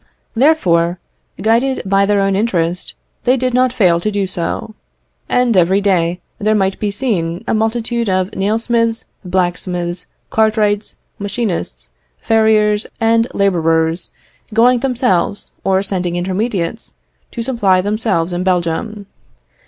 Therefore, guided by their own interest, they did not fail to do so; and every day there might be seen a multitude of nail smiths, blacksmiths, cartwrights, machinists, farriers, and labourers, going themselves, or sending intermediates, to supply themselves in Belgium.